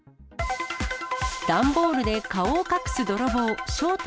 段ボールで顔を隠す泥棒、正体